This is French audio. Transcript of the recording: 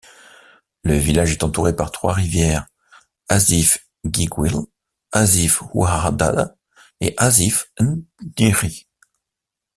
Le village est entouré par trois rivières, Assif-guighil, Assif-ouhadad et assif-n’tniri.